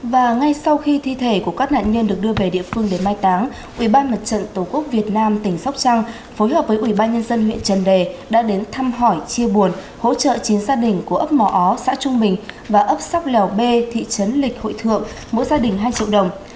và ngay sau khi thi thể của các nạn nhân được đưa về địa phương để mai táng ubnd tổ quốc việt nam tỉnh sóc trăng phối hợp với ủy ban nhân dân huyện trần đề đã đến thăm hỏi chia buồn hỗ trợ chín gia đình của ấp mò ó xã trung bình và ấp sóc lèo b thị trấn lịch hội thượng mỗi gia đình hai triệu đồng